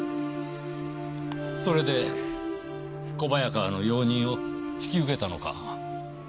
それで小早川の用人を引き受けたのか？